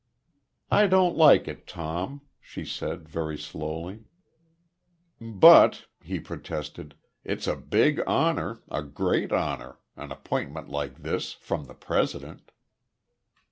"I don't like it, Tom," she said, very slowly. "But," he protested, "it's a big honor a great honor an appointment like this, from the President."